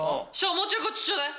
もうちょいこっちちょうだい。